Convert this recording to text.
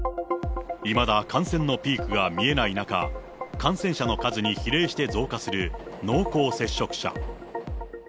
いまだ感染のピークが見えない中、感染者の数に比例して増加する、濃厚接触者。